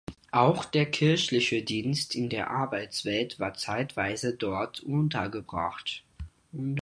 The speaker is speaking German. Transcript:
Auch der Kirchliche Dienst in der Arbeitswelt war zeitweise dort untergebracht.